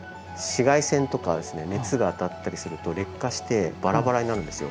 紫外線とか熱が当たったりすると劣化してバラバラになるんですよ